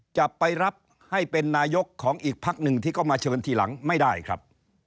จะไปรับให้เป็นนายกของอีกพักหนึ่งที่ก็มาเชิญทีหลังไม่ได้ครับ